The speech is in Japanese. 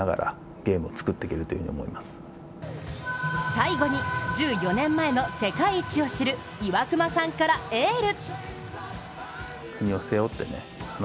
最後に、１４年前の世界一を知る岩隈さんからエール。